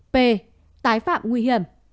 p tái phạm nguy hiểm